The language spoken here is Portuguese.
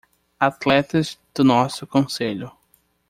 Atletas do nosso concelho.